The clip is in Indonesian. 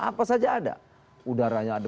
apa saja ada udaranya ada